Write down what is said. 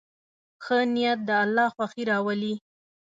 ښه نیت د الله خوښي راولي.